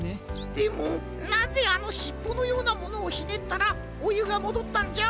でもなぜあのしっぽのようなものをひねったらおゆがもどったんじゃ？